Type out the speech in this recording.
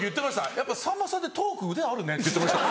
「やっぱさんまさんってトーク腕あるね」って言ってました。